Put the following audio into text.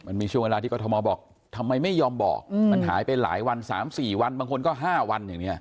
มันมีช่วงเวลาที่กรทมบอกทำไมไม่ยอมบอกมันหายไปหลายวัน๓๔วันบางคนก็๕วันอย่างนี้